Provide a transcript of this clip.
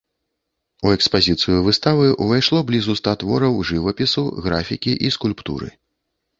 У экспазіцыю выставы ўвайшло блізу ста твораў жывапісу, графікі і скульптуры.